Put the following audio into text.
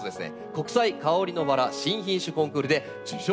国際香りのばら新品種コンクールで受賞されました。